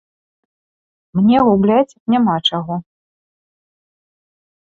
Мне губляць няма чаго.